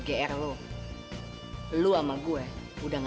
heran liat gua